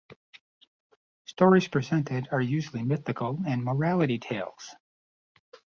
Stories presented are usually mythical and morality tales.